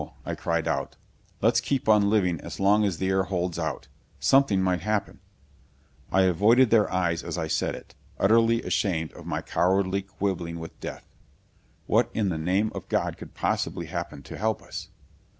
I cried out. "Let's keep on living as long as the air holds out. Something might happen " I avoided their eyes as I said it, utterly ashamed of my cowardly quibbling with death. What in the name of God could possibly happen to help us?